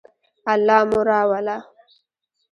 الله مو راوله